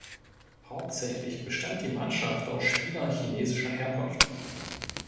Hauptsächlich bestand die Mannschaft aus Spielern chinesischer Herkunft.